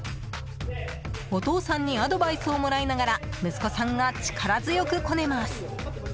お父さんにアドバイスをもらいながら息子さんが力強くこねます。